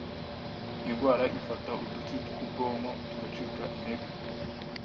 indwara ifata udutsi tw’ubwonko tugacika intege